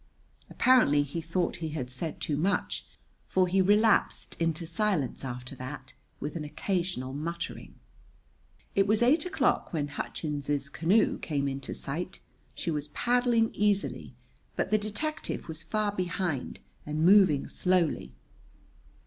Apparently he thought he had said too much, for he relapsed into silence after that, with an occasional muttering. It was eight o'clock when Hutchins's canoe came into sight. She was paddling easily, but the detective was far behind and moving slowly.